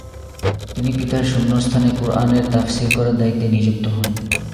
তিনি পিতার শূন্যস্থানে কুরআনের তাফসীর করার দায়িত্বে নিযুক্ত হন।